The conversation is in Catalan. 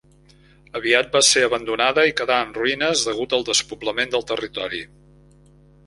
Aviat va ser abandonada i quedà en ruïnes degut al despoblament del territori.